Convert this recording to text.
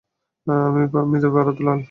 আমি, মৃত ভারত লাল।